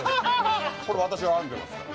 これ私が編んでますから。